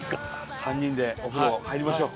３人でお風呂入りましょう。